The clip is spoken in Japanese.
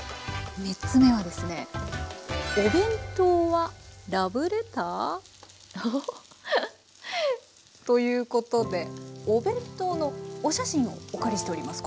３つ目はですねおぉ？ということでお弁当のお写真をお借りしております。